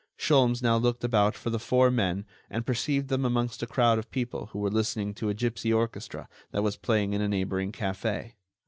Sholmes now looked about for the four men and perceived them amongst a crowd of people who were listening to a gipsy orchestra that was playing in a neighboring café.